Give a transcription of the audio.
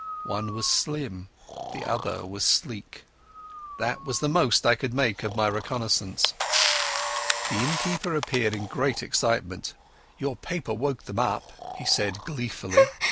One was slim, the other was sleek; that was the most I could make of my reconnaissance. The innkeeper appeared in great excitement. "Your paper woke them up," he said gleefully.